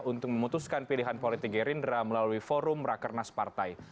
untuk memutuskan pilihan politik gerindra melalui forum rakernas partai